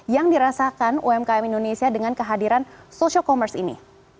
yang dirasakan umkm indonesia dengan kehadiran social commerce ini